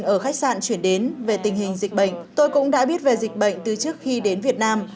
trước khi khách sạn chuyển đến về tình hình dịch bệnh tôi cũng đã biết về dịch bệnh từ trước khi đến việt nam